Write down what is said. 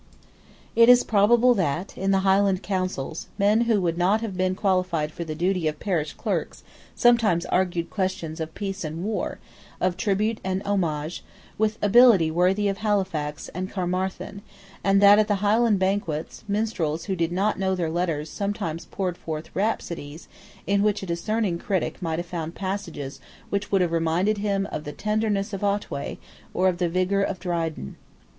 It is probable that, in the Highland councils, men who would not have been qualified for the duty of parish clerks sometimes argued questions of peace and war, of tribute and homage, with ability worthy of Halifax and Caermarthen, and that, at the Highland banquets, minstrels who did not know their letters sometimes poured forth rhapsodies in which a discerning critic might have found passages which would have reminded him of the tenderness of Otway or of the vigour of Dryden.